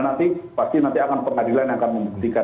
nanti pasti nanti akan pengadilan yang akan membuktikan